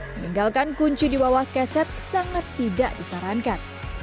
meninggalkan kunci di bawah keset sangat tidak disarankan